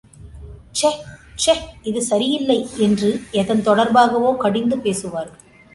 ச்சே ச்சே இது சரியில்லை என்று எதன் தொடர்பாகவோ கடிந்து பேசுவார்கள்.